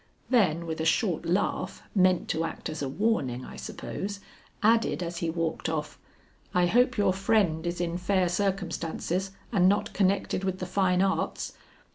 Then with a short laugh, meant to act as a warning, I suppose, added as he walked off, "I hope your friend is in fair circumstances and not connected with the fine arts.